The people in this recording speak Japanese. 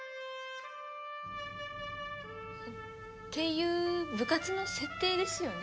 いう部活の設定ですよね？